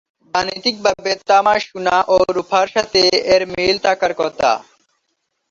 গাণিতিকভাবে তামা, সোনা ও রূপার সাথে এর মিল থাকার কথা।